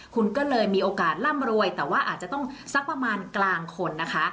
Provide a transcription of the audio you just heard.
คุณก็เลยมีโอกาสร่ำรวยแต่ว่าอาจจะต้องสักประมาณกลางคนนะคะ